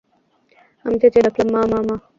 আমি চেঁচিয়ে ডাকলাম, মা-মা-মা!